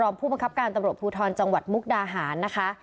ผู้บังคับการตำรวจภูทรจังหวัดมุกดาหารนะคะ